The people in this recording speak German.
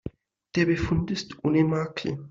Der Befund ist ohne Makel.